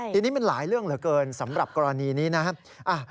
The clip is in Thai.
ทีนี้มันหลายเรื่องเหลือเกินสำหรับกรณีนี้นะครับ